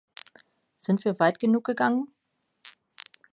Sind wir weit genug gegangen?